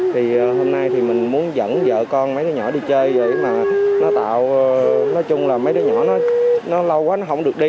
thì hôm nay thì mình muốn dẫn vợ con mấy cái nhỏ đi chơi vậy mà nó tạo nói chung là mấy đứa nhỏ nó lâu quá nó không được đi